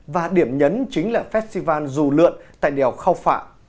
và điểm nhấn chính là festival dù lượn tại đèo khao phạ